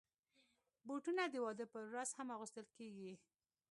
بوټونه د واده پر ورځ هم اغوستل کېږي.